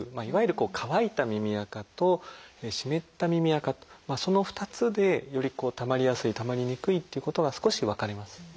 いわゆる乾いた耳あかと湿った耳あかとその２つでよりたまりやすいたまりにくいっていうことが少し分かれます。